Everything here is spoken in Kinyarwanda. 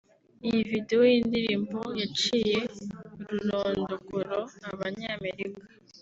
Iyi videwo y’indirimbo yaciye ururondogoro abanyamerika